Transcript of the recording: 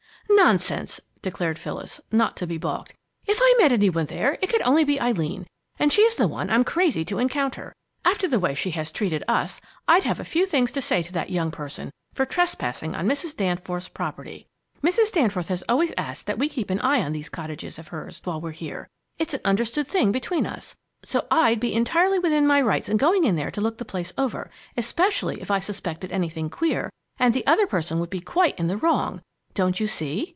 "Nonsense!" declared Phyllis, not to be balked. "If I met any one there, it could only be Eileen, and she's the one I'm crazy to encounter. After the way she has treated us, I'd have a few things to say to that young person for trespassing on Mrs. Danforth's property. Mrs. Danforth has always asked that we keep an eye on these cottages of hers while we're here, it's an understood thing between us so I'd be entirely within my rights in going in there to look the place over, especially if I suspected anything queer, and the other person would be quite in the wrong. Don't you see?"